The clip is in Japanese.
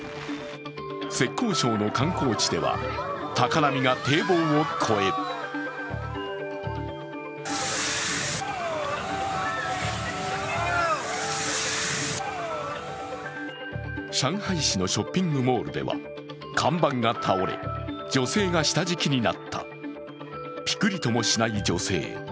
浙江省の観光地では高波が堤防を越え上海市のショッピングモールでは看板が倒れ、女性が下敷きになったぴくりともしない女性。